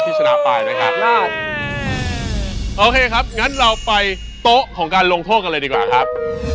ชนะไปนะครับโอเคครับงั้นเราไปโต๊ะของการลงโทษกันเลยดีกว่าครับ